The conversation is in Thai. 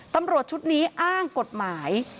ตำรวจชุดนี้อ้างกฎหมาย